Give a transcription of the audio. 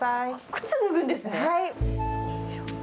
靴脱ぐんですね。